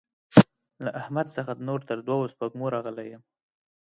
له احمد څخه نور تر دوو سپږمو راغلی يم.